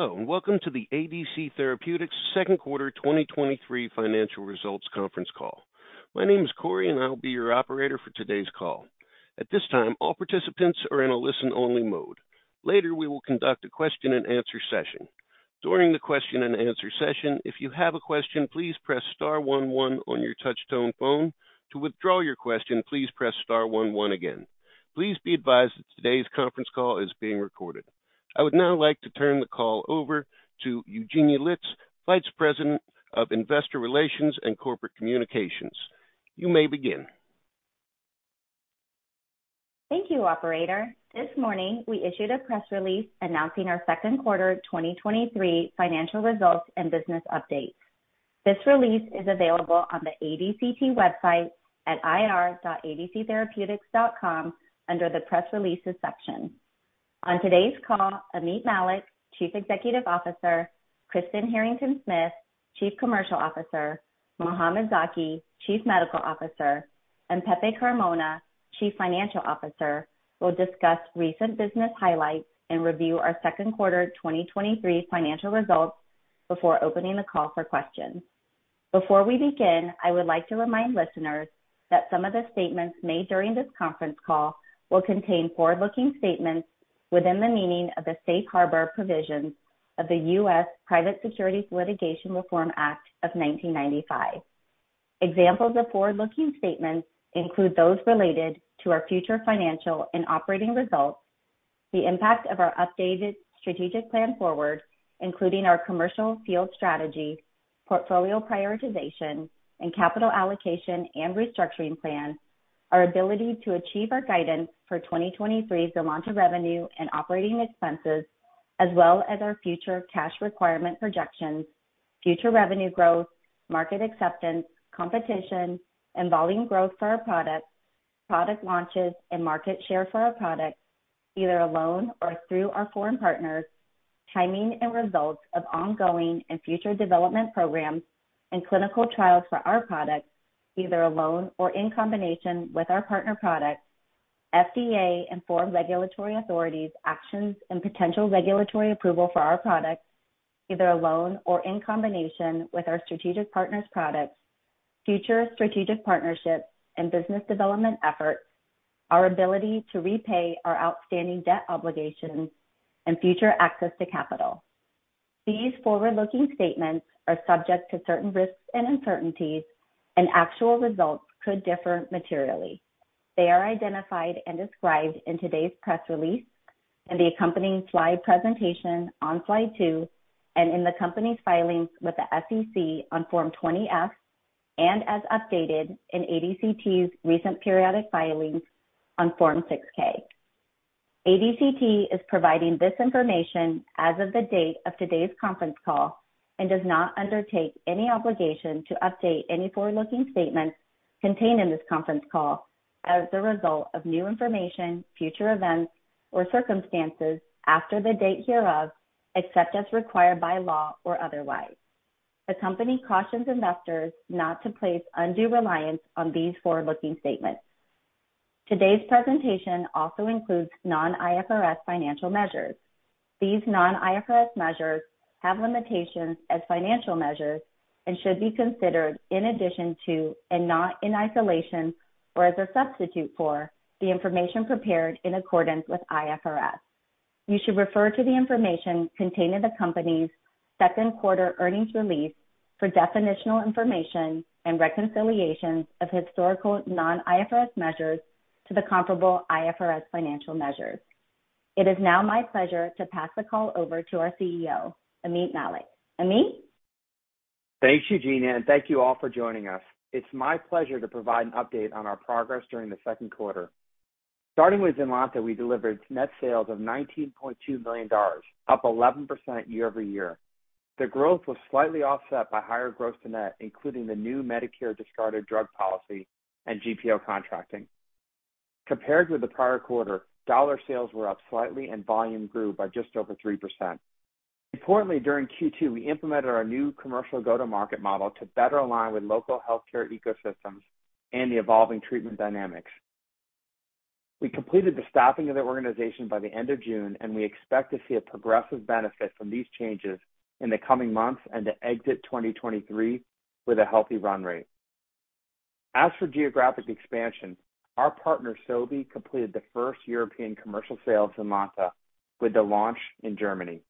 Hello, and welcome to the ADC Therapeutics Second Quarter 2023 Financial Results Conference Call. My name is Corey, and I'll be your operator for today's call. At this time, all participants are in a listen-only mode. Later, we will conduct a question-and-answer session. During the question-and-answer session, if you have a question, please press star one one on your touchtone phone. To withdraw your question, please press star one one again. Please be advised that today's conference call is being recorded. I would now like to turn the call over to Eugenia Litz, Vice President of Investor Relations and Corporate Communications. You may begin. Thank you, operator. This morning, we issued a press release announcing our second quarter 2023 financial results and business updates. This release is available on the ADCT website at ir.adctherapeutics.com under the Press Releases section. On today's call, Ameet Mallik, Chief Executive Officer, Kristen Harrington-Smith, Chief Commercial Officer, Mohamed Zaki, Chief Medical Officer, and Pepe Carmona, Chief Financial Officer, will discuss recent business highlights and review our second quarter 2023 financial results before opening the call for questions. Before we begin, I would like to remind listeners that some of the statements made during this conference call will contain forward-looking statements within the meaning of the Safe Harbor Provisions of the U.S. Private Securities Litigation Reform Act of 1995. Examples of forward-looking statements include those related to our future financial and operating results, the impact of our updated strategic plan forward, including our commercial field strategy, portfolio prioritization, and capital allocation and restructuring plan, our ability to achieve our guidance for 2023 Zynlonta revenue and operating expenses, as well as our future cash requirement projections, future revenue growth, market acceptance, competition, and volume growth for our products, product launches and market share for our products, either alone or through our foreign partners, timing and results of ongoing and future development programs and clinical trials for our products, either alone or in combination with our partner products, FDA and foreign regulatory authorities' actions and potential regulatory approval for our products, either alone or in combination with our strategic partners' products, future strategic partnerships and business development efforts, our ability to repay our outstanding debt obligations, and future access to capital. These forward-looking statements are subject to certain risks and uncertainties, and actual results could differ materially. They are identified and described in today's press release, in the accompanying slide presentation on slide 2, and in the company's filings with the SEC on Form 20-F and as updated in ADCT's recent periodic filings on Form 6-K. ADCT is providing this information as of the date of today's conference call and does not undertake any obligation to update any forward-looking statements contained in this conference call as a result of new information, future events, or circumstances after the date hereof, except as required by law or otherwise. The company cautions investors not to place undue reliance on these forward-looking statements. Today's presentation also includes non-IFRS financial measures. These non-IFRS measures have limitations as financial measures and should be considered in addition to, and not in isolation or as a substitute for, the information prepared in accordance with IFRS. You should refer to the information contained in the company's second quarter earnings release for definitional information and reconciliations of historical non-IFRS measures to the comparable IFRS financial measures. It is now my pleasure to pass the call over to our CEO, Ameet Mallik. Ameet? Thanks, Eugenia, and thank you all for joining us. It's my pleasure to provide an update on our progress during the second quarter. Starting with Zynlonta, we delivered net sales of $19.2 million, up 11% year-over-year. The growth was slightly offset by higher gross net, including the new Medicare discarded drug policy and GPO contracting. Compared with the prior quarter, dollar sales were up slightly and volume grew by just over 3%. Importantly, during Q2, we implemented our new commercial go-to-market model to better align with local healthcare ecosystems and the evolving treatment dynamics. We completed the staffing of the organization by the end of June, and we expect to see a progressive benefit from these changes in the coming months and to exit 2023 with a healthy run rate. As for geographic expansion, our partner, Sobi, completed the first European commercial sale of Zynlonta with the launch in Germany.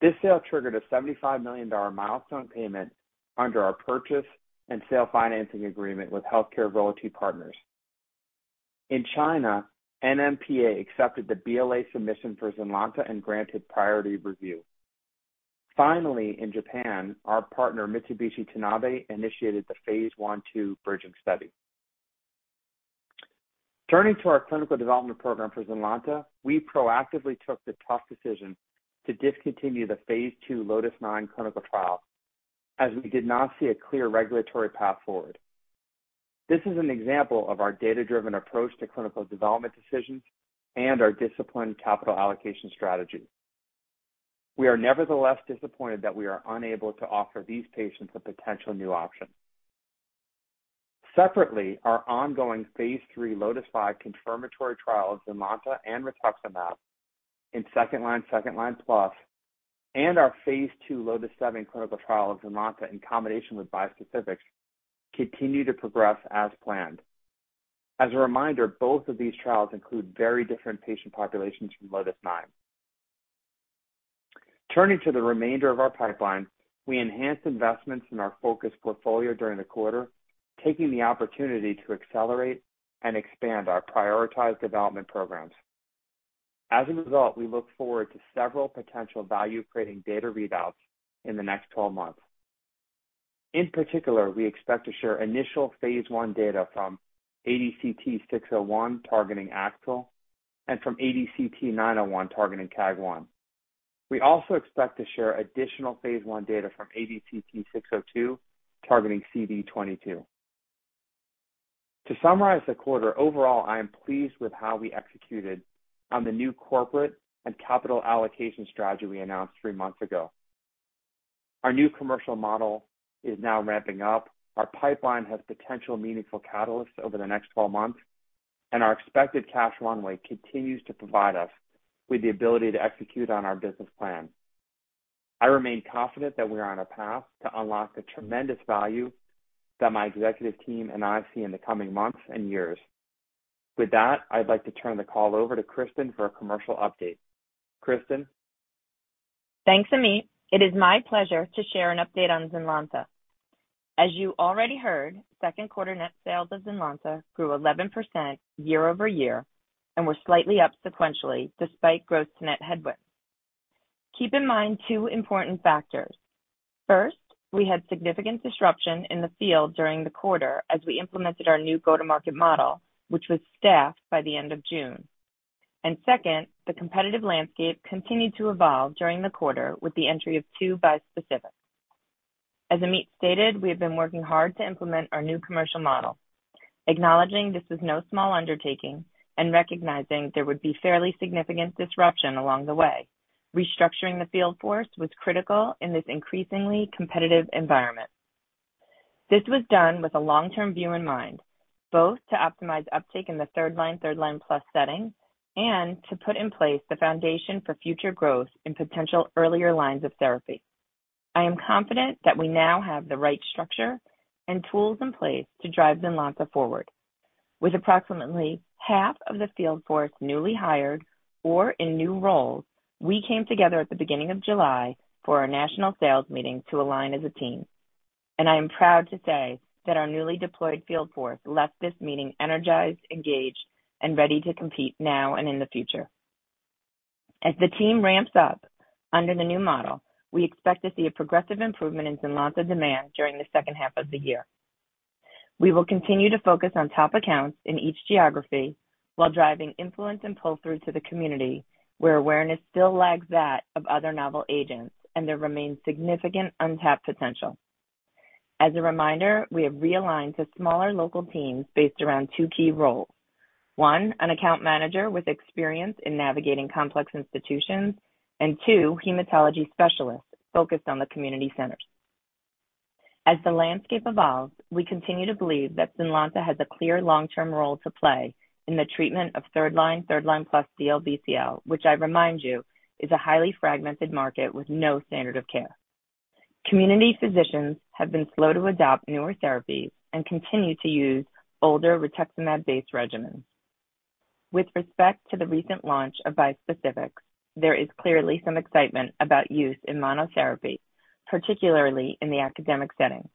This sale triggered a $75 million milestone payment under our purchase and sale financing agreement with HealthCare Royalty Partners. In China, NMPA accepted the BLA submission for Zynlonta and granted priority review. Finally, in Japan, our partner, Mitsubishi Tanabe, initiated the Phase 1, 2 bridging study. Turning to our clinical development program for Zynlonta, we proactively took the tough decision to discontinue the Phase 2 LOTIS-9 clinical trial, as we did not see a clear regulatory path forward. This is an example of our data-driven approach to clinical development decisions and our disciplined capital allocation strategy. We are nevertheless disappointed that we are unable to offer these patients a potential new option.... Separately, our ongoing Phase III LOTIS-9 confirmatory trial of Zynlonta and rituximab in second-line, second-line plus, and our Phase II LOTIS-7 clinical trial of Zynlonta in combination with bispecifics continue to progress as planned. As a reminder, both of these trials include very different patient populations from LOTIS-9. Turning to the remainder of our pipeline, we enhanced investments in our focused portfolio during the quarter, taking the opportunity to accelerate and expand our prioritized development programs. As a result, we look forward to several potential value-creating data readouts in the next 12 months. In particular, we expect to share initial Phase I data from ADCT-601, targeting AXL, and from ADCT-901, targeting KAAG1. We also expect to share additional Phase I data from ADCT-602, targeting CD22. To summarize the quarter, overall, I am pleased with how we executed on the new corporate and capital allocation strategy we announced 3 months ago. Our new commercial model is now ramping up. Our pipeline has potential meaningful catalysts over the next 12 months, and our expected cash run rate continues to provide us with the ability to execute on our business plan. I remain confident that we are on a path to unlock the tremendous value that my executive team and I see in the coming months and years. With that, I'd like to turn the call over to Kristen for a commercial update. Kristen? Thanks, Ameet. It is my pleasure to share an update on Zynlonta. As you already heard, second quarter net sales of Zynlonta grew 11% year-over-year and were slightly up sequentially, despite gross net headwinds. Keep in mind 2 important factors: First, we had significant disruption in the field during the quarter as we implemented our new go-to-market model, which was staffed by the end of June. Second, the competitive landscape continued to evolve during the quarter with the entry of 2 bispecifics. As Ameet stated, we have been working hard to implement our new commercial model, acknowledging this is no small undertaking and recognizing there would be fairly significant disruption along the way. Restructuring the field force was critical in this increasingly competitive environment. This was done with a long-term view in mind, both to optimize uptake in the third-line, third-line plus setting and to put in place the foundation for future growth in potential earlier lines of therapy. I am confident that we now have the right structure and tools in place to drive Zynlonta forward. With approximately half of the field force newly hired or in new roles, we came together at the beginning of July for our national sales meeting to align as a team, and I am proud to say that our newly deployed field force left this meeting energized, engaged, and ready to compete now and in the future. As the team ramps up under the new model, we expect to see a progressive improvement in Zynlonta demand during the second half of the year. We will continue to focus on top accounts in each geography while driving influence and pull-through to the community, where awareness still lags that of other novel agents, and there remains significant untapped potential. As a reminder, we have realigned to smaller local teams based around 2 key roles. One, an account manager with experience in navigating complex institutions, and 2, hematology specialists focused on the community centers. As the landscape evolves, we continue to believe that Zynlonta has a clear long-term role to play in the treatment of 3rd-line, 3rd-line plus DLBCL, which I remind you, is a highly fragmented market with no standard of care. Community physicians have been slow to adopt newer therapies and continue to use older rituximab-based regimens. With respect to the recent launch of bispecifics, there is clearly some excitement about use in monotherapy, particularly in the academic setting.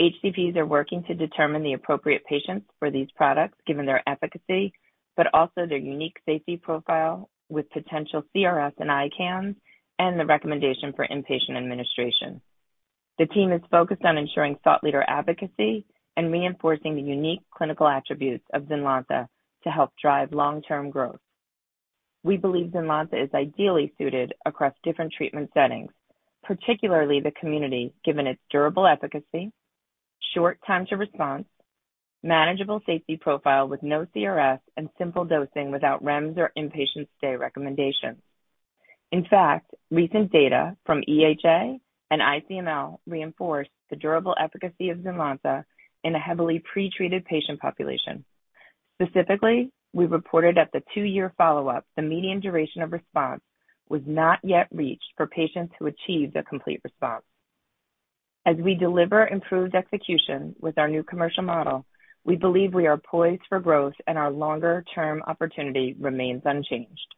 HCPs are working to determine the appropriate patients for these products, given their efficacy, but also their unique safety profile with potential CRS and ICANS, and the recommendation for inpatient administration. The team is focused on ensuring thought leader advocacy and reinforcing the unique clinical attributes of Zynlonta to help drive long-term growth. We believe Zynlonta is ideally suited across different treatment settings, particularly the community, given its durable efficacy, short time to response, manageable safety profile with no CRS, and simple dosing without REMS or inpatient stay recommendations. In fact, recent data from EHA and ICML reinforce the durable efficacy of Zynlonta in a heavily pretreated patient population. Specifically, we reported at the two-year follow-up, the median duration of response was not yet reached for patients who achieved a complete response. As we deliver improved execution with our new commercial model, we believe we are poised for growth, and our longer-term opportunity remains unchanged.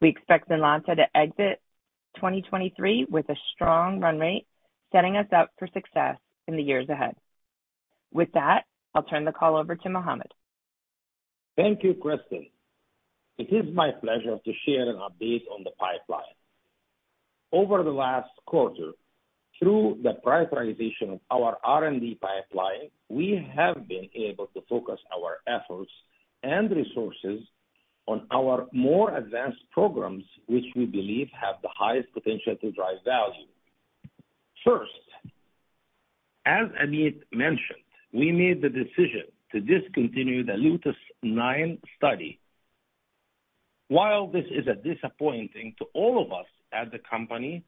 We expect Zynlonta to exit 2023 with a strong run rate, setting us up for success in the years ahead. With that, I'll turn the call over to Mohamed. Thank you, Kristen. It is my pleasure to share an update on the pipeline. Over the last quarter, through the prioritization of our R&D pipeline, we have been able to focus our efforts and resources on our more advanced programs, which we believe have the highest potential to drive value. First, as Ameet mentioned, we made the decision to discontinue the LOTIS-9 study-... While this is a disappointing to all of us at the company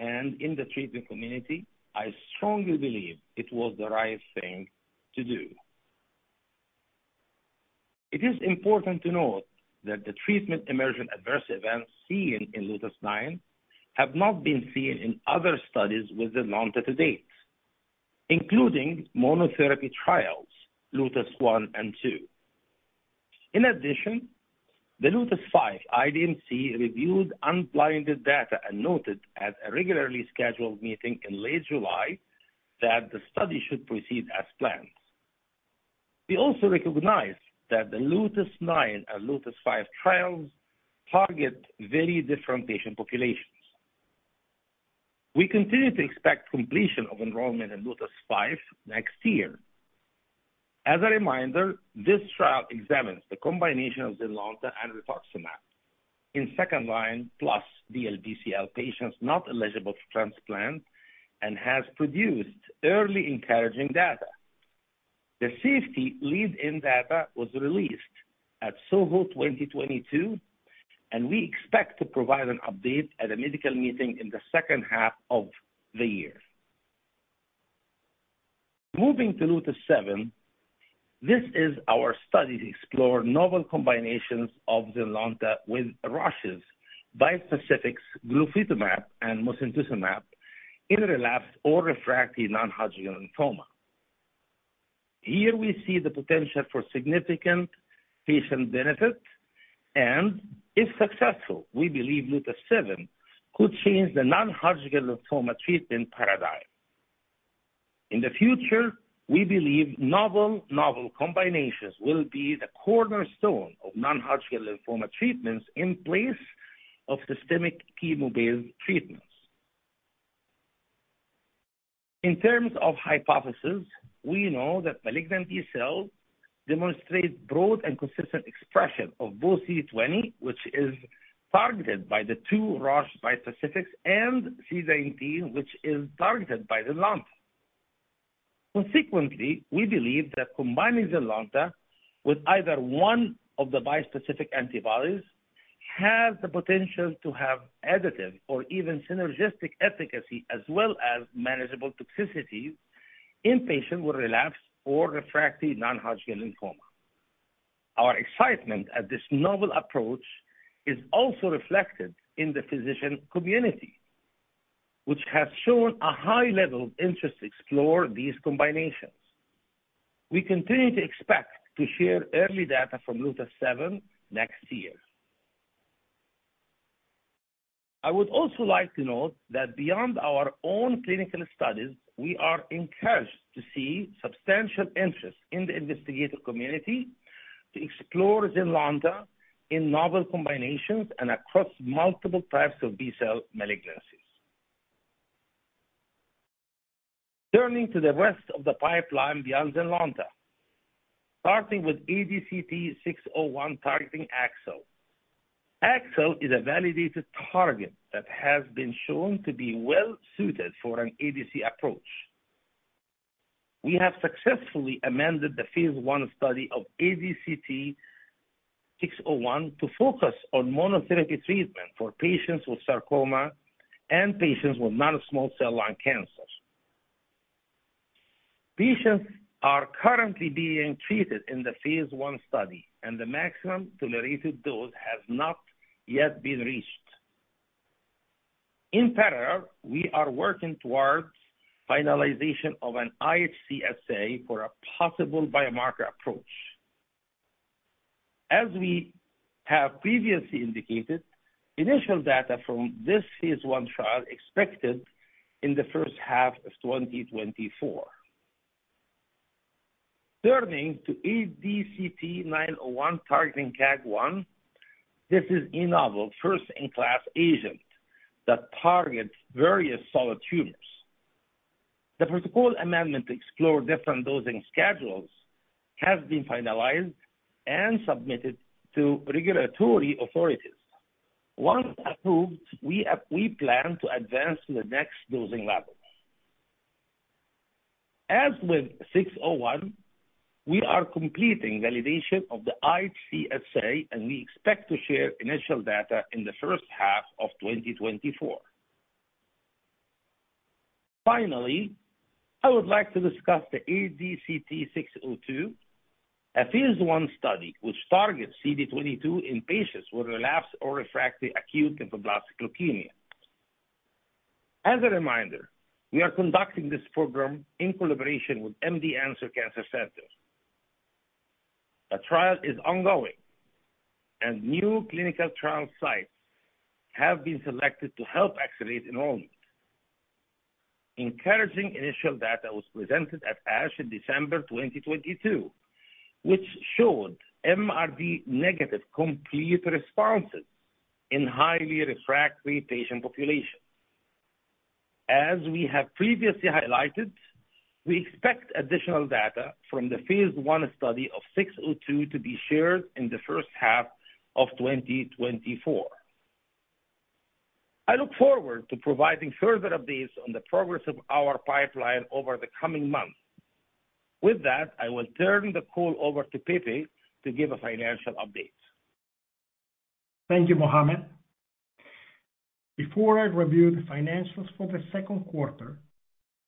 and in the treatment community, I strongly believe it was the right thing to do. It is important to note that the treatment-emerging adverse events seen in LOTIS-9 have not been seen in other studies with Zynlonta to date, including monotherapy trials, LOTIS-1 and LOTIS-2. In addition, the LOTIS-5 IDMC reviewed unblinded data and noted at a regularly scheduled meeting in late July that the study should proceed as planned. We also recognize that the LOTIS-9 and LOTIS-5 trials target very different patient populations. We continue to expect completion of enrollment in LOTIS-5 next year. As a reminder, this trial examines the combination of Zynlonta and rituximab in second-line plus DLBCL patients not eligible for transplant and has produced early encouraging data. The safety lead-in data was released at SOHO 2022, and we expect to provide an update at a medical meeting in the second half of the year. Moving to LOTIS-7, this is our study to explore novel combinations of Zynlonta with Roche's bispecifics, glofitamab and mosunetuzumab, in relapsed or refractory non-Hodgkin lymphoma. Here we see the potential for significant patient benefit, and if successful, we believe LOTIS-7 could change the non-Hodgkin lymphoma treatment paradigm. In the future, we believe novel, novel combinations will be the cornerstone of non-Hodgkin lymphoma treatments in place of systemic chemo-based treatments. In terms of hypothesis, we know that malignant B-cells demonstrate broad and consistent expression of both CD20, which is targeted by the two Roche bispecifics, and CD19, which is targeted by Zynlonta. Consequently, we believe that combining Zynlonta with either one of the bispecific antibodies has the potential to have additive or even synergistic efficacy, as well as manageable toxicities in patients with relapsed or refractory non-Hodgkin lymphoma. Our excitement at this novel approach is also reflected in the physician community, which has shown a high level of interest to explore these combinations. We continue to expect to share early data from LOTIS-7 next year. I would also like to note that beyond our own clinical studies, we are encouraged to see substantial interest in the investigator community to explore Zynlonta in novel combinations and across multiple types of B-cell malignancies. Turning to the rest of the pipeline beyond Zynlonta, starting with ADCT-601 targeting AXL. AXL is a validated target that has been shown to be well-suited for an ADC approach. We have successfully amended the phase I study of ADCT-601 to focus on monotherapy treatment for patients with sarcoma and patients with non-small cell lung cancer. Patients are currently being treated in the phase I study, and the maximum tolerated dose has not yet been reached. In parallel, we are working towards finalization of an IHC assay for a possible biomarker approach. As we have previously indicated, initial data from this phase I trial expected in the first half of 2024. Turning to ADCT-901 targeting KAAG1, this is a novel first-in-class agent that targets various solid tumors. The protocol amendment to explore different dosing schedules has been finalized and submitted to regulatory authorities. Once approved, we plan to advance to the next dosing levels. As with 601, we are completing validation of the IHC assay, and we expect to share initial data in the first half of 2024. Finally, I would like to discuss the ADCT-602, a phase I study which targets CD22 in patients with relapsed or refractory acute lymphoblastic leukemia. As a reminder, we are conducting this program in collaboration with MD Anderson Cancer Center. The trial is ongoing, and new clinical trial sites have been selected to help accelerate enrollment. Encouraging initial data was presented at ASH in December 2022, which showed MRD negative complete responses in highly refractory patient populations. As we have previously highlighted, we expect additional data from the phase I study of 602 to be shared in the first half of 2024. I look forward to providing further updates on the progress of our pipeline over the coming months. With that, I will turn the call over to Pepe to give a financial update. Thank you, Mohamed. Before I review the financials for the second quarter,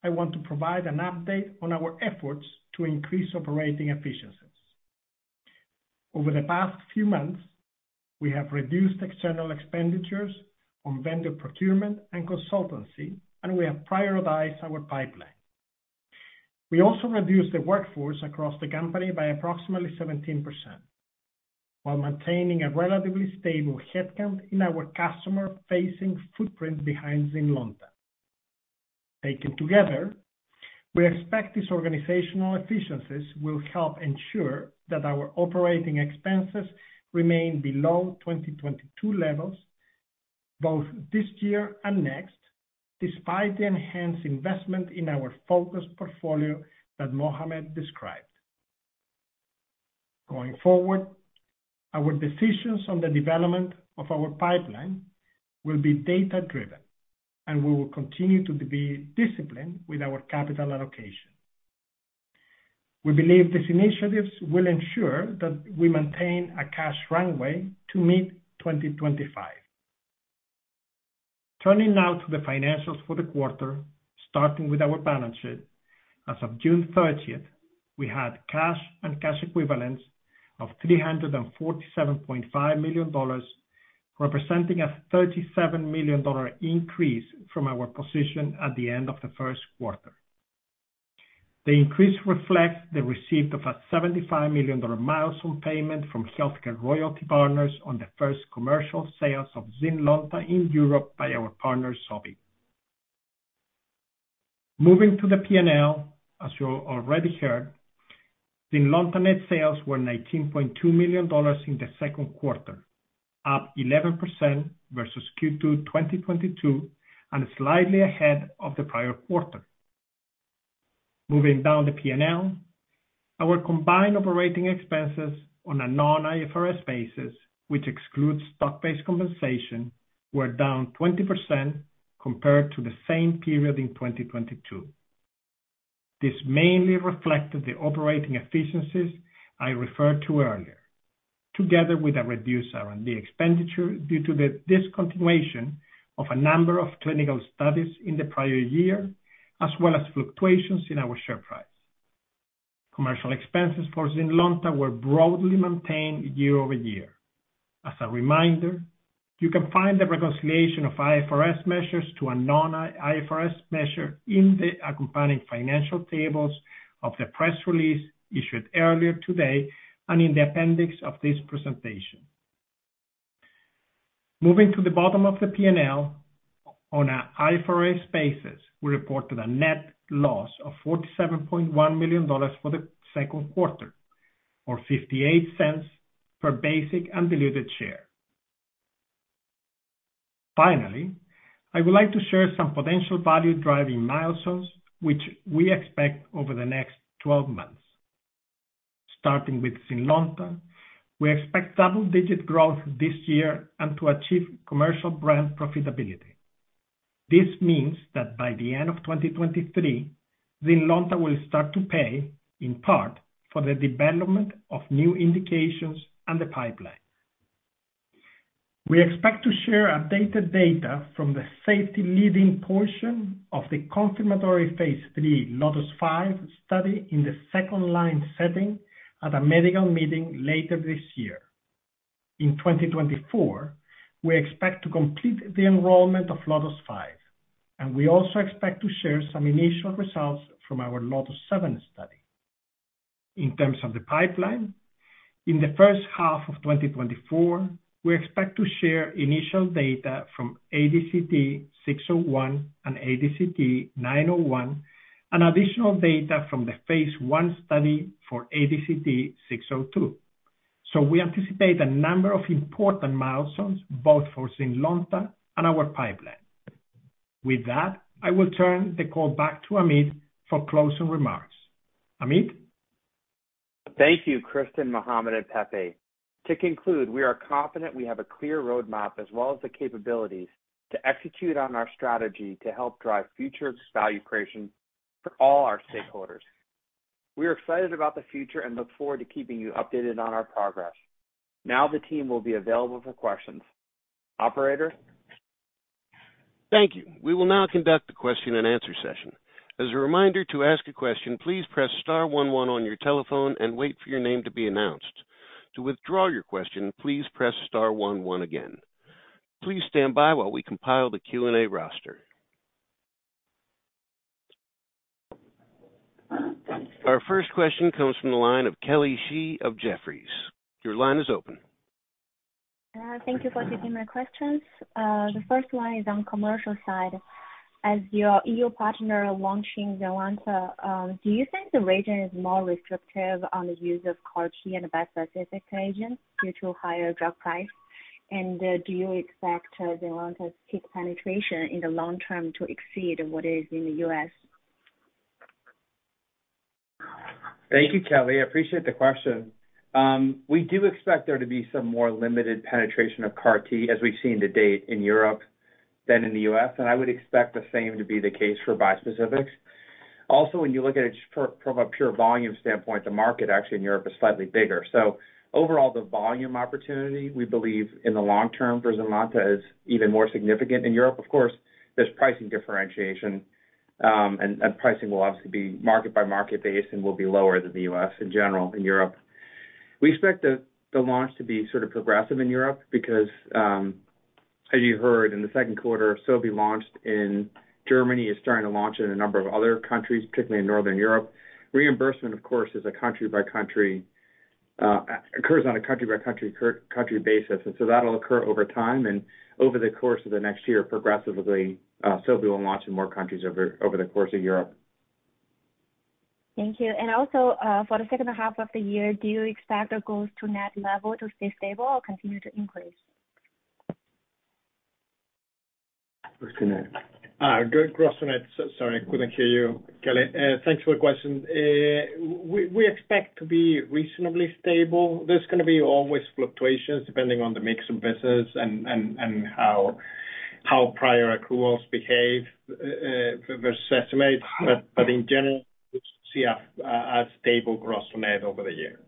I want to provide an update on our efforts to increase operating efficiencies. Over the past few months, we have reduced external expenditures on vendor procurement and consultancy, and we have prioritized our pipeline. We also reduced the workforce across the company by approximately 17%, while maintaining a relatively stable headcount in our customer-facing footprint behind Zynlonta. Taken together, we expect these organizational efficiencies will help ensure that our operating expenses remain below 2022 levels, both this year and next, despite the enhanced investment in our focused portfolio that Mohamed described. Going forward, our decisions on the development of our pipeline will be data-driven, and we will continue to be disciplined with our capital allocation. We believe these initiatives will ensure that we maintain a cash runway to meet 2025. Turning now to the financials for the quarter, starting with our balance sheet. As of June 30th, we had cash and cash equivalents of $347.5 million, representing a $37 million increase from our position at the end of the first quarter. The increase reflects the receipt of a $75 million milestone payment from HealthCare Royalty Partners on the first commercial sales of Zynlonta in Europe by our partner, Sobi. Moving to the PNL, as you already heard, Zynlonta net sales were $19.2 million in the second quarter, up 11% versus Q2 2022, and slightly ahead of the prior quarter. Moving down the PNL, our combined operating expenses on a non-IFRS basis, which excludes stock-based compensation, were down 20% compared to the same period in 2022. This mainly reflected the operating efficiencies I referred to earlier, together with a reduced R&D expenditure due to the discontinuation of a number of clinical studies in the prior year, as well as fluctuations in our share price. Commercial expenses for Zynlonta were broadly maintained year-over-year. As a reminder, you can find the reconciliation of IFRS measures to a non-IFRS measure in the accompanying financial tables of the press release issued earlier today and in the appendix of this presentation. Moving to the bottom of the PNL, on a IFRS basis, we reported a net loss of $47.1 million for the second quarter, or $0.58 per basic and diluted share. Finally, I would like to share some potential value-driving milestones, which we expect over the next 12 months. Starting with Zynlonta, we expect double-digit growth this year and to achieve commercial brand profitability. This means that by the end of 2023, Zynlonta will start to pay, in part, for the development of new indications and the pipeline. We expect to share updated data from the safety leading portion of the confirmatory phase 3 LOTIS-5 study in the second-line setting at a medical meeting later this year. In 2024, we expect to complete the enrollment of LOTIS-5, and we also expect to share some initial results from our LOTIS-7 study. In terms of the pipeline, in the first half of 2024, we expect to share initial data from ADCT-601 and ADCT-901, and additional data from the phase 1 study for ADCT-602. We anticipate a number of important milestones, both for Zynlonta and our pipeline. With that, I will turn the call back to Ameet for closing remarks. Ameet? Thank you, Kristen, Mohamed, and Pepe. To conclude, we are confident we have a clear roadmap as well as the capabilities to execute on our strategy to help drive future value creation for all our stakeholders. We are excited about the future and look forward to keeping you updated on our progress. Now, the team will be available for questions. Operator? Thank you. We will now conduct a question-and-answer session. As a reminder, to ask a question, please press star one, one on your telephone and wait for your name to be announced. To withdraw your question, please press star one, one again. Please stand by while we compile the Q&A roster. Our first question comes from the line of Kelly Shi of Jefferies. Your line is open. Thank you for taking my questions. The first one is on commercial side. As your EU partner launching Zynlonta, do you think the region is more restrictive on the use of CAR-T and bispecific agents due to higher drug price? Do you expect Zynlonta peak penetration in the long term to exceed what is in the US? Thank you, Kelly. I appreciate the question. We do expect there to be some more limited penetration of CAR-T, as we've seen to date in Europe than in the U.S. I would expect the same to be the case for bispecifics. When you look at it just from, from a pure volume standpoint, the market actually in Europe is slightly bigger. Overall, the volume opportunity, we believe in the long term for Zynlonta is even more significant in Europe. Of course, there's pricing differentiation, and pricing will obviously be market by market based and will be lower than the U.S. in general in Europe. We expect the, the launch to be sort of progressive in Europe because, as you heard in the second quarter, Sobi launched in Germany, is starting to launch in a number of other countries, particularly in Northern Europe. Reimbursement, of course, is a country-by-country, occurs on a country-by-country, country basis, and so that'll occur over time and over the course of the next year, progressively, Sobi will launch in more countries over, over the course of Europe. Thank you. Also, for the second half of the year, do you expect the goals to net level to stay stable or continue to increase? Grossmanet. Grossmanet, sorry, I couldn't hear you, Kelly. Thanks for your question. We expect to be reasonably stable. There's gonna be always fluctuations depending on the mix of business and how prior accruals behave versus estimates. In general, we see a stable Grossmanet over the year.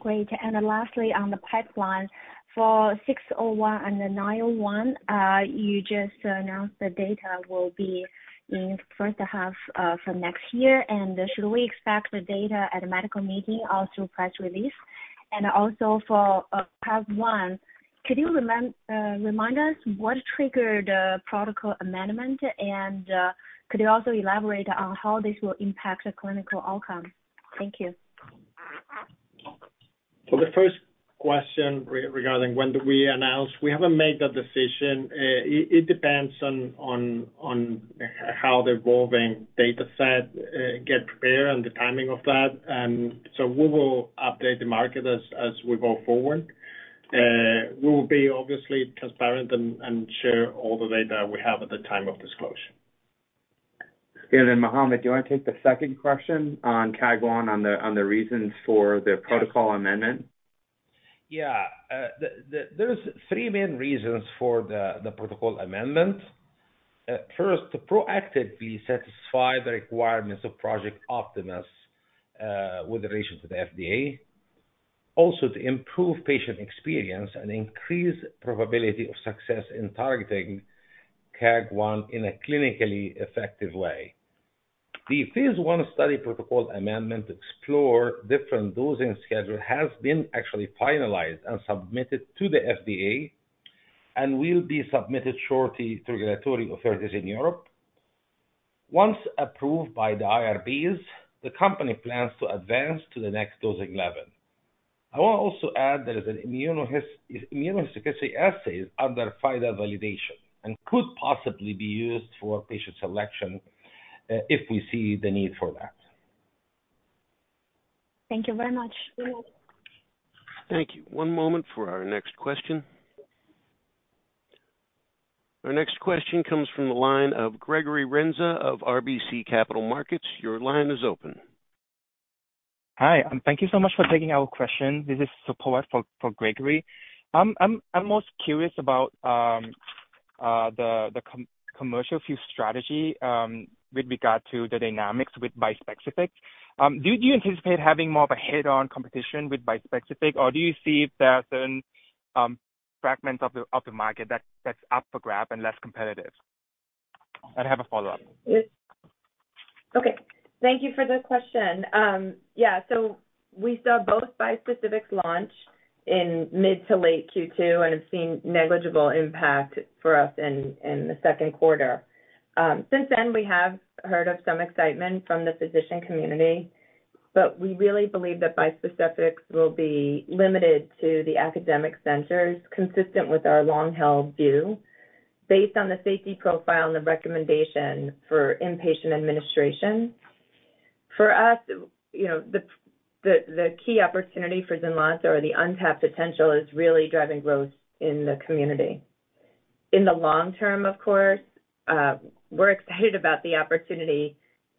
Great. Then lastly, on the pipeline. For ADCT-601 and ADCT-901, you just announced the data will be in first half from next year. Should we expect the data at a medical meeting or through press release? Also for KAAG1, could you remind us what triggered protocol amendment? Could you also elaborate on how this will impact the clinical outcome? Thank you. The first question regarding when do we announce, we haven't made the decision. It depends on how the evolving data set, get prepared and the timing of that. We will update the market as we go forward. We will be obviously transparent and share all the data we have at the time of disclosure. Then, Mohamed, do you want to take the second question on KAAG1, on the reasons for the protocol amendment? Yeah. There's three main reasons for the protocol amendment. First, to proactively satisfy the requirements of Project Optimus, with relation to the FDA. To improve patient experience and increase probability of success in targeting KAAG1 in a clinically effective way. The phase one study protocol amendment to explore different dosing schedule has been actually finalized and submitted to the FDA, and will be submitted shortly to regulatory authorities in Europe. Once approved by the IRBs, the company plans to advance to the next dosing level. I want to also add there is an immunogenicity assays under filing validation, and could possibly be used for patient selection, if we see the need for that. Thank you very much. Thank you. One moment for our next question. Our next question comes from the line of Gregory Renza of RBC Capital Markets. Your line is open. Hi, and thank you so much for taking our question. This is support for, for Gregory. I'm, I'm most curious about the commercial fuse strategy with regard to the dynamics with bispecific. Do you anticipate having more of a head-on competition with bispecific, or do you see there are certain fragments of the market that, that's up for grab and less competitive? I'd have a follow-up. Okay. Thank you for the question. Yeah, we saw both bispecific launch in mid to late Q2 and have seen negligible impact for us in the second quarter. Since then, we have heard of some excitement from the physician community, but we really believe that bispecific will be limited to the academic centers, consistent with our long-held view, based on the safety profile and the recommendation for inpatient administration. For us, you know, the key opportunity for Zynlonta or the untapped potential is really driving growth in the community. In the long term, of course, we're excited about the opportunity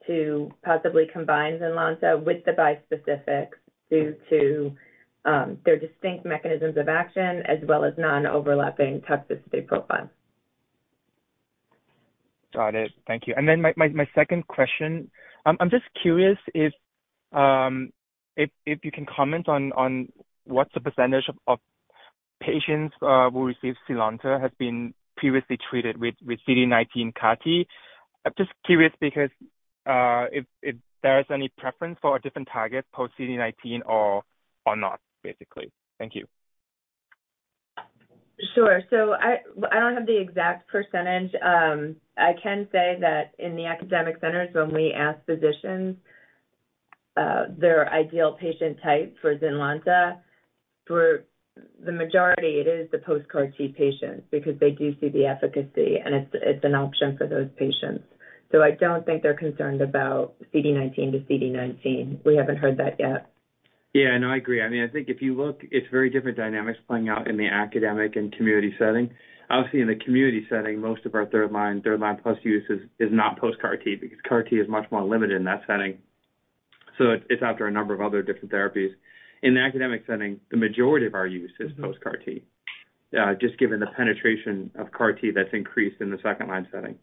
to possibly combine Zynlonta with the bispecifics due to their distinct mechanisms of action, as well as non-overlapping toxicity profile. Got it. Thank you. My, my, my second question. I'm just curious if, if, if you can comment on, on what's the percentage of, of patients, who receive Zynlonta has been previously treated with, with CD19 CAR-T? I'm just curious because, if, if there is any preference for a different target post-CD19 or, or not, basically. Thank you. Sure. I, I don't have the exact percentage. I can say that in the academic centers, when we ask physicians, their ideal patient type for Zynlonta, for the majority, it is the post-CAR-T patients, because they do see the efficacy, and it's, it's an option for those patients. I don't think they're concerned about CD19 to CD19. We haven't heard that yet. Yeah, no, I agree. I mean, I think if you look, it's very different dynamics playing out in the academic and community setting. Obviously, in the community setting, most of our third-line, third-line plus use is, is not post-CAR-T, because CAR-T is much more limited in that setting. It's after a number of other different therapies. In the academic setting, the majority of our use is post-CAR-T, just given the penetration of CAR-T that's increased in the second-line setting.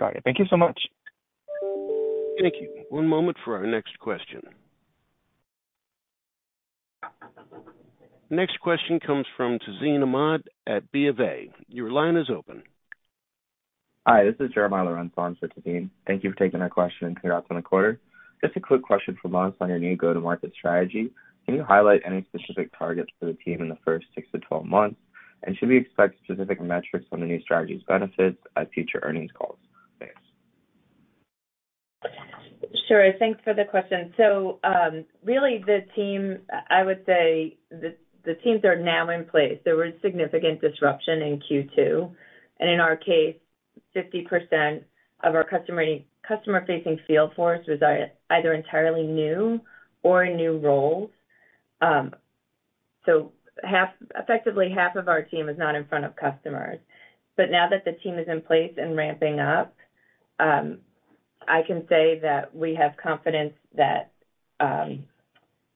Got it. Thank you so much. Thank you. One moment for our next question. Next question comes from Tazeen Ahmad at BofA. Your line is open. Hi, this is Jeremiah Lorenzo for Tahseen. Thank you for taking our question and congrats on the quarter. Just a quick question for Zynlonta on your new go-to-market strategy. Can you highlight any specific targets for the team in the first six to 12 months? Should we expect specific metrics on the new strategy's benefits at future earnings calls? Thanks. Sure. Thanks for the question. Really, the team, I would say the, the teams are now in place. There was significant disruption in Q2, and in our case, 50% of our customer- customer-facing field force was either entirely new or in new roles. Effectively, half of our team is not in front of customers. Now that the team is in place and ramping up, I can say that we have confidence that,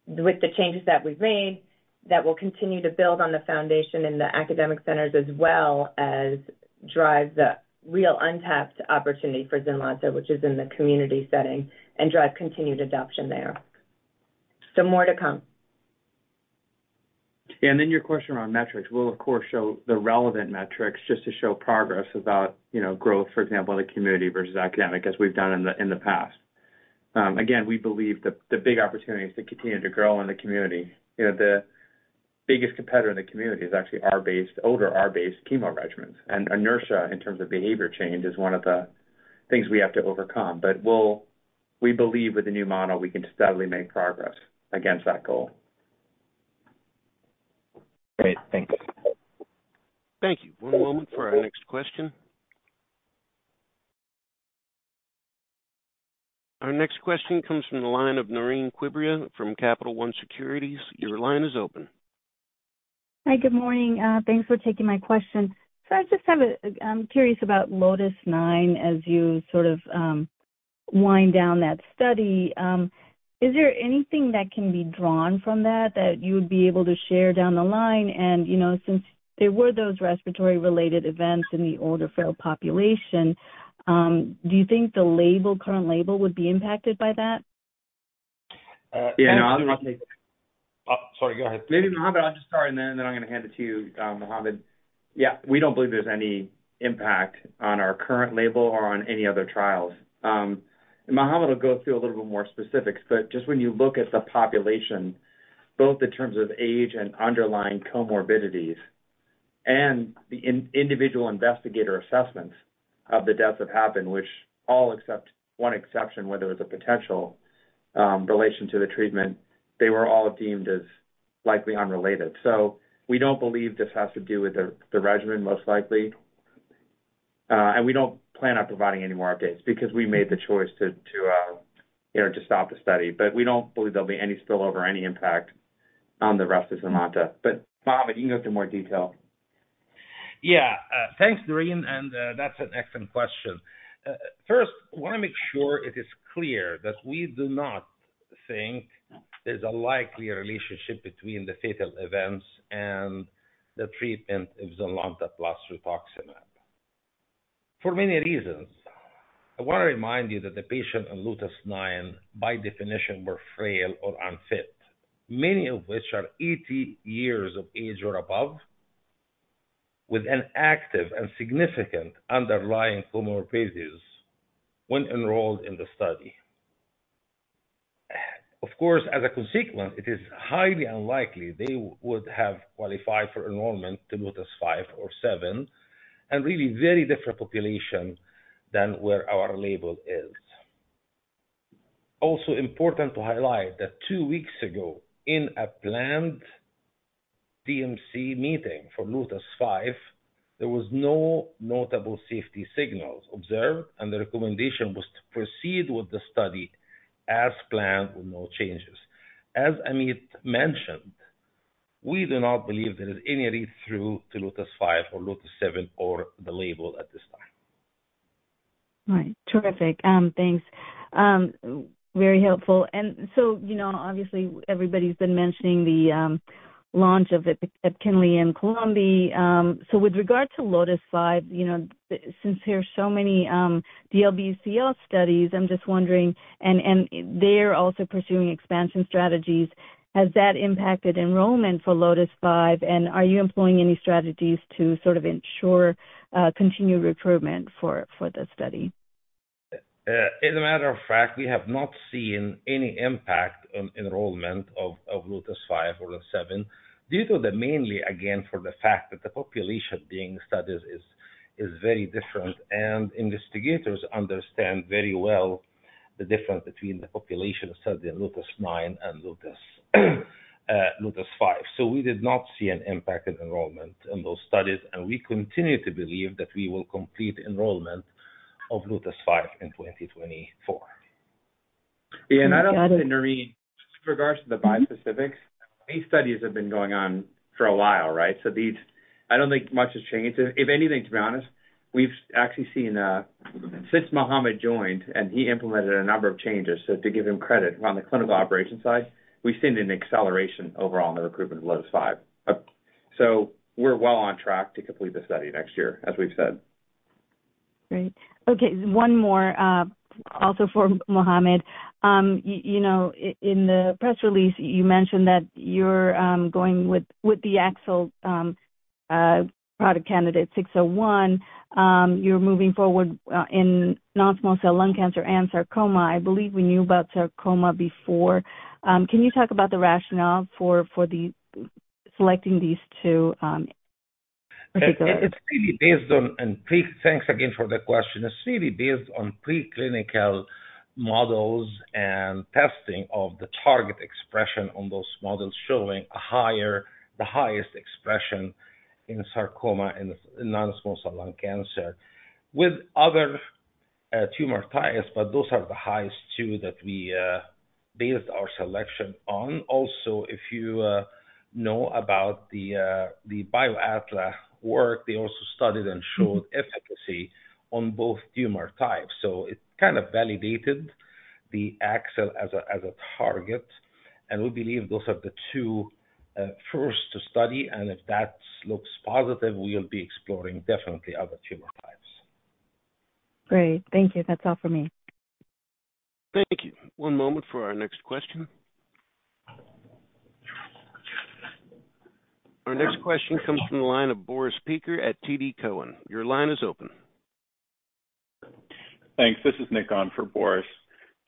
with the changes that we've made, that we'll continue to build on the foundation in the academic centers, as well as drive the real untapped opportunity for Zynlonta, which is in the community setting, and drive continued adoption there. More to come. Then your question around metrics. We'll, of course, show the relevant metrics just to show progress about, you know, growth, for example, in the community versus academic, as we've done in the past. Again, we believe the big opportunity is to continue to grow in the community. You know, the biggest competitor in the community is actually R-based, older R-based chemo regimens, and inertia in terms of behavior change is one of the things we have to overcome. We'll we believe with the new model, we can steadily make progress against that goal. Great. Thanks. Thank you. One moment for our next question. Our next question comes from the line of Noreen Quibria from Capital One Securities. Your line is open. Hi, good morning. Thanks for taking my question. I'm curious about LOTIS-9 as you sort of wind down that study. Is there anything that can be drawn from that, that you would be able to share down the line? You know, since there were those respiratory-related events in the older, frail population, do you think the label, current label, would be impacted by that? yeah, no, I- Sorry, go ahead. Maybe, Mohamed, I'll just start, and then, then I'm going to hand it to you, Mohamed. Yeah, we don't believe there's any impact on our current label or on any other trials. Mohamed will go through a little bit more specifics, but just when you look at the population, both in terms of age and underlying comorbidities and the individual investigator assessments of the deaths that happened, which all except one exception, where there was a potential relation to the treatment, they were all deemed as likely unrelated. We don't believe this has to do with the, the regimen, most likely, and we don't plan on providing any more updates because we made the choice to, you know, to stop the study. We don't believe there'll be any spillover or any impact on the rest of Zynlonta. Mohamed, you can go into more detail. Yeah. Thanks, Noreen, that's an excellent question. First, I want to make sure it is clear that we do not think there's a likely relationship between the fatal events and the treatment of Zynlonta plus rituximab. For many reasons, I want to remind you that the patient in LOTIS-9, by definition, were frail or unfit, many of which are 80 years of age or above, with an active and significant underlying comorbidities when enrolled in the study. Of course, as a consequence, it is highly unlikely they would have qualified for enrollment to LOTIS-5 or LOTIS-7, really very different population than where our label is. Also important to highlight that 2 weeks ago, in a planned DMC meeting for LOTIS-5, there was no notable safety signals observed, the recommendation was to proceed with the study as planned with no changes. As Ameet mentioned, we do not believe there is any read-through to LOTIS-5 or LOTIS-7 or the label at this time. Right. Terrific. Thanks. Very helpful. So, you know, obviously, everybody's been mentioning the, launch of Epclusa in Colombia. So with regard to LOTIS-5, you know, since there are so many DLBCL studies, I'm just wondering... They're also pursuing expansion strategies. Has that impacted enrollment for LOTIS-5? Are you employing any strategies to sort of ensure continued recruitment for the study? As a matter of fact, we have not seen any impact on enrollment of LOTIS-5 or 7. Due to the mainly, again, for the fact that the population being studied is very different, and investigators understand very well the difference between the population studied in LOTIS-9 and LOTIS-5. We did not see an impact in enrollment in those studies, and we continue to believe that we will complete enrollment.... of LOTIS-5 in 2024. I don't know, Noreen, with regards to the bispecifics, these studies have been going on for a while, right? These, I don't think much has changed. If anything, to be honest, we've actually seen, since Mohamed joined, and he implemented a number of changes, so to give him credit, on the clinical operations side, we've seen an acceleration overall in the recruitment of LOTIS-5. We're well on track to complete the study next year, as we've said. Great. Okay, one more, also for Mohamed. You know, in the press release, you mentioned that you're going with, with the AXL product candidate ADCT-601. You're moving forward in non-small cell lung cancer and sarcoma. I believe we knew about sarcoma before. Can you talk about the rationale for, for the, selecting these two, particularly? It's really based on, and thanks again for the question. It's really based on preclinical models and testing of the target expression on those models, showing a higher, the highest expression in sarcoma and in non-small cell lung cancer. With other tumor types, but those are the highest two that we based our selection on. Also, if you know about the BioAtla work, they also studied and showed efficacy on both tumor types, so it kind of validated the AXL as a, as a target, and we believe those are the two first to study, and if that looks positive, we'll be exploring definitely other tumor types. Great. Thank you. That's all for me. Thank you. One moment for our next question. Our next question comes from the line of Boris Peaker at TD Cowen. Your line is open. Thanks. This is Nick on for Boris.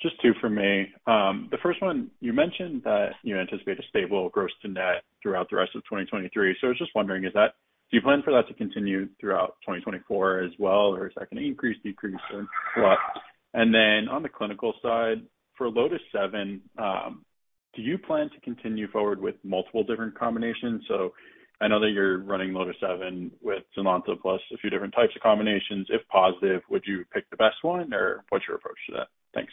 Just two for me. The first one, you mentioned that you anticipate a stable gross to net throughout the rest of 2023. I was just wondering, is that? Do you plan for that to continue throughout 2024 as well, or is that going to increase, decrease, or what? Then on the clinical side, for LOTIS-7, do you plan to continue forward with multiple different combinations? I know that you're running LOTIS-7 with Zynlonta plus a few different types of combinations. If positive, would you pick the best one, or what's your approach to that? Thanks.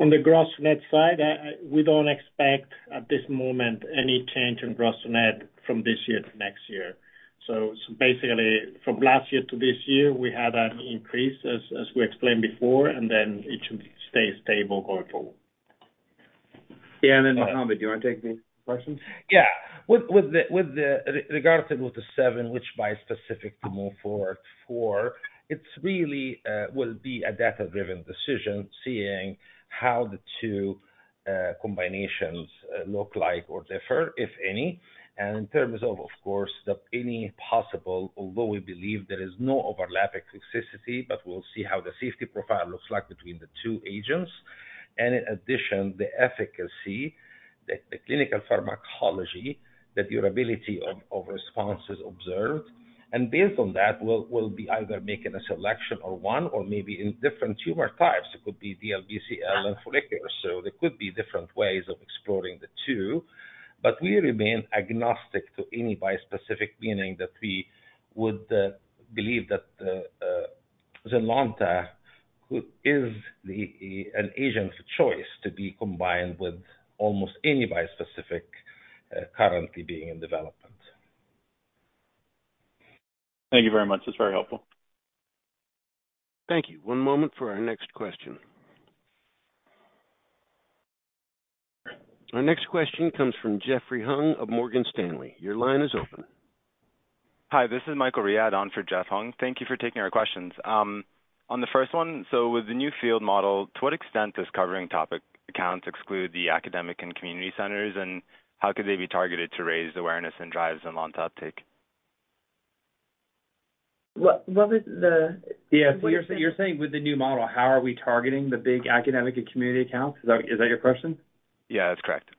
On the gross net side, we don't expect at this moment any change in gross to net from this year to next year. Basically, from last year to this year, we had an increase, as we explained before, and then it should stay stable going forward. Yeah, then, Mohamed, do you want to take these questions? Yeah. With regards to LOTIS-7, which bispecific to move forward for, it's really will be a data-driven decision, seeing how the 2 combinations look like or differ, if any. In terms of, of course, the any possible, although we believe there is no overlap toxicity, but we'll see how the safety profile looks like between the 2 agents. In addition, the efficacy, the clinical pharmacology, the durability of responses observed. Based on that, we'll be either making a selection of 1 or maybe in different tumor types. It could be DLBCL and follicular, there could be different ways of exploring the 2. We remain agnostic to any bispecific, meaning that we would believe that Zynlonta is the, an agent of choice to be combined with almost any bispecific currently being in development. Thank you very much. That's very helpful. Thank you. One moment for our next question. Our next question comes from Jeffrey Hung of Morgan Stanley. Your line is open. Hi, this is Michael Riad on for Jeffrey Hung. Thank you for taking our questions. On the first one, with the new field model, to what extent does covering topic accounts exclude the academic and community centers, and how could they be targeted to raise awareness and drive Zynlonta uptake? What is the- Yeah, you're saying, you're saying with the new model, how are we targeting the big academic and community accounts? Is that, is that your question? Yeah, that's correct.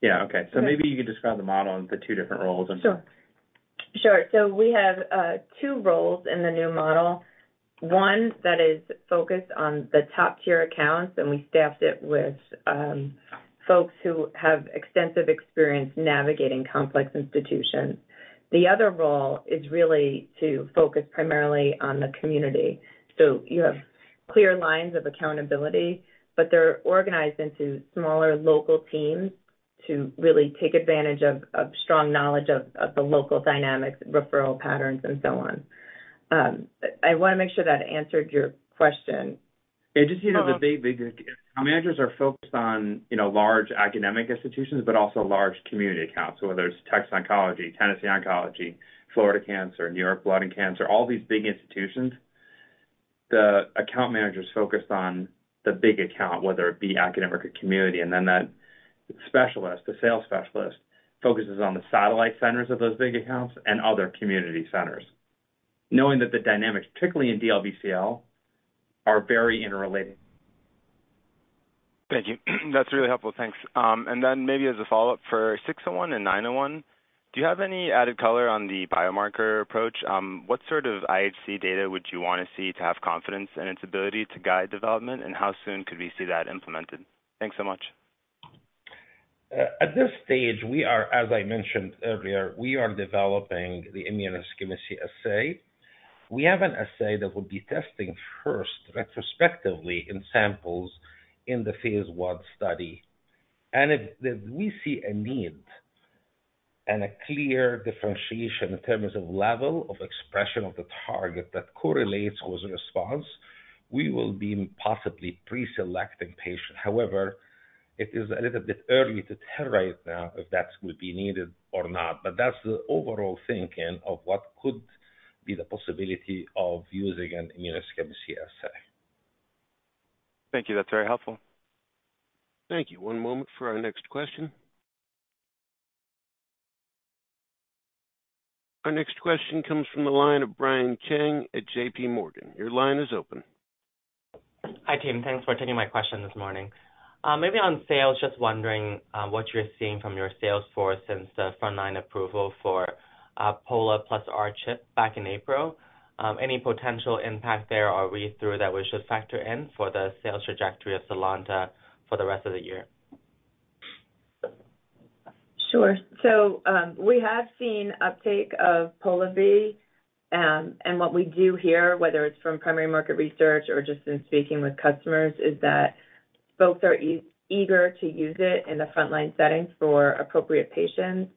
Yeah, okay. Maybe you could describe the model and the two different roles. Sure. Sure. We have two roles in the new model. One that is focused on the top-tier accounts, and we staffed it with folks who have extensive experience navigating complex institutions. The other role is really to focus primarily on the community. You have clear lines of accountability, but they're organized into smaller local teams to really take advantage of, of strong knowledge of, of the local dynamics, referral patterns, and so on. I wanna make sure that answered your question. Just, you know, the big, big account managers are focused on, you know, large academic institutions, but also large community accounts. So whether it's Texas Oncology, Tennessee Oncology, Florida Cancer, New York Cancer & Blood Specialists, all these big institutions, the account manager is focused on the big account, whether it be academic or community, and then the specialist, the sales specialist, focuses on the satellite centers of those big accounts and other community centers, knowing that the dynamics, particularly in DLBCL, are very interrelated. Thank you. That's really helpful. Thanks. Then maybe as a follow-up for ADCT-601 and ADCT-901, do you have any added color on the biomarker approach? What sort of IHC data would you want to see to have confidence in its ability to guide development, and how soon could we see that implemented? Thanks so much.... at this stage, we are, as I mentioned earlier, we are developing the immunohistochemistry assay. We have an assay that will be testing first retrospectively in samples in the phase 1 study. If we see a need and a clear differentiation in terms of level of expression of the target that correlates with response, we will be possibly pre-selecting patients. However, it is a little bit early to tell right now if that will be needed or not, but that's the overall thinking of what could be the possibility of using an immunohistochemistry assay. Thank you. That's very helpful. Thank you. One moment for our next question. Our next question comes from the line of Brian Cheng at J.P. Morgan. Your line is open. Hi, team. Thanks for taking my question this morning. Maybe on sales, just wondering what you're seeing from your sales force since the frontline approval for, Polivy plus R-CHP back in April? Any potential impact there, or read through that we should factor in for the sales trajectory of Zynlonta for the rest of the year? Sure. We have seen uptake of Polivy, and what we do hear, whether it's from primary market research or just in speaking with customers, is that folks are eager to use it in the frontline setting for appropriate patients.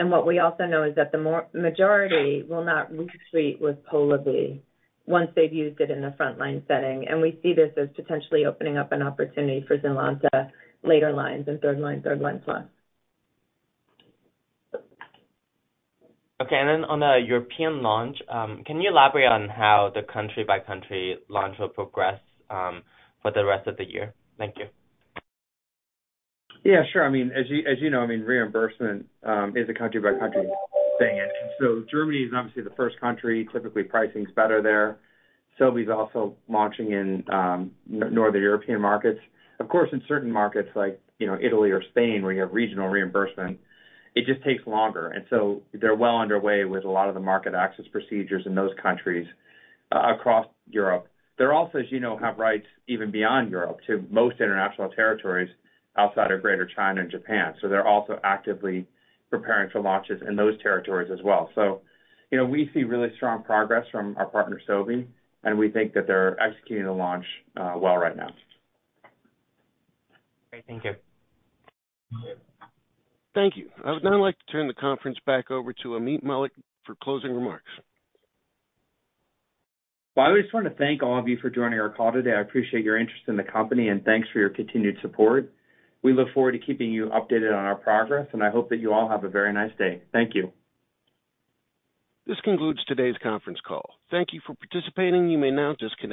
What we also know is that the majority will not retreat with Polivy once they've used it in a frontline setting, and we see this as potentially opening up an opportunity for Zynlonta later lines and third line, third line plus. Okay. Then on the European launch, can you elaborate on how the country-by-country launch will progress for the rest of the year? Thank you. Yeah, sure. I mean, as you, as you know, I mean, reimbursement is a country-by-country thing. Germany is obviously the first country. Typically, pricing is better there. Sobi's also launching in Northern European markets. Of course, in certain markets like, you know, Italy or Spain, where you have regional reimbursement, it just takes longer, and so they're well underway with a lot of the market access procedures in those countries across Europe. They're also, as you know, have rights even beyond Europe to most international territories outside of Greater China and Japan, so they're also actively preparing for launches in those territories as well. You know, we see really strong progress from our partner, Sobi, and we think that they're executing the launch well right now. Great. Thank you. Thank you. I would now like to turn the conference back over to Ameet Mallik for closing remarks. Well, I just want to thank all of you for joining our call today. I appreciate your interest in the company, and thanks for your continued support. We look forward to keeping you updated on our progress, and I hope that you all have a very nice day. Thank you. This concludes today's conference call. Thank Thank you for participating. You may now disconnect.